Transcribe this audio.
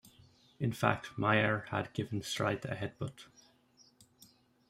In fact, Meier had given Streit a headbutt.